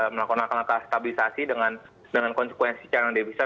melakukan langkah langkah stabilisasi dengan konsekuensi carangan defisit